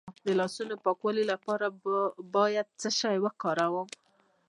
د لاسونو د پاکوالي لپاره باید څه شی وکاروم؟